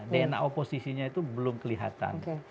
dna oposisinya itu belum kelihatan